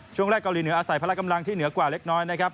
ช่วงแรกเกาหลีเหนืออาศัยพละกำลังที่เหนือกว่าเล็กน้อยนะครับ